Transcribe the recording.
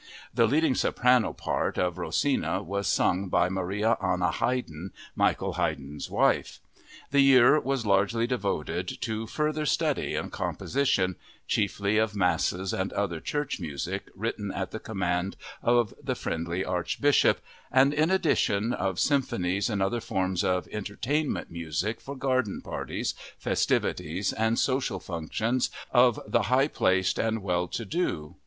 The leading soprano part of Rosina was sung by Maria Anna Haydn, Michael Haydn's wife. The year was largely devoted to further study and composition—chiefly of masses and other church music written at the command of the friendly Archbishop and, in addition, of symphonies and other forms of "entertainment" music for garden parties, festivities, and social functions of the high placed and well to do.